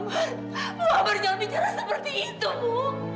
pasti mama nyabadi baik sama kamu